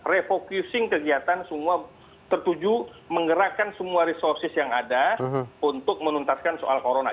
refocusing kegiatan semua tertuju menggerakkan semua resources yang ada untuk menuntaskan soal corona